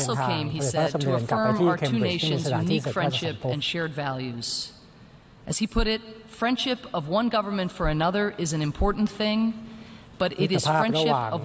ซึ่งโครงการส่วนใหญ่แล้วเขาจะเป็นโครงการอนุรักษ์และก็เป็นโครงการในการพัฒนามนุษย์นะครับ